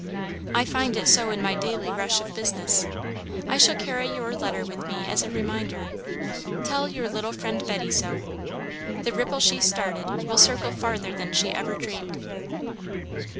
I find it so in my daily rush of business. I shall carry your letter with me as a reminder. Tell your little friend Betty so. The ripple she started will circle farther than she ever dreamed."